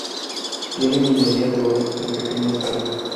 Tiene minería de oro, en pequeña escala.